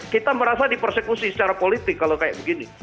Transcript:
kita merasa dipersekusi secara politik kalau kayak begini